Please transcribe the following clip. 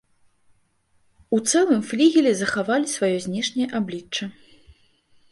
У цэлым флігелі захавалі сваё знешняе аблічча.